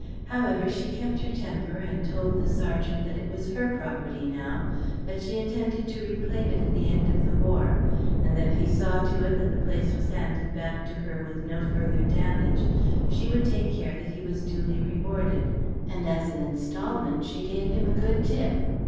However she kept her temper and told the sergeant that it was her property now; that she intended to reclaim it at the end of the War, and that if he saw to it that the place was handed back to her with no further damage, she would take care that he was duly rewarded; and as an instalment she gave him a good tip.